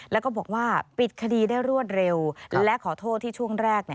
แล้วก็บอกว่าปิดคดีได้รวดเร็วและขอโทษที่ช่วงแรก